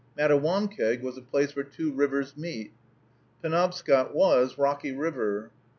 Mattawamkeag was a place where two rivers meet. (?) Penobscot was Rocky River.